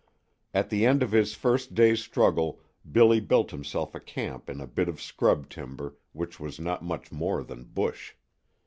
At the end of his first day's struggle Billy built himself a camp in a bit of scrub timber which was not much more than bush.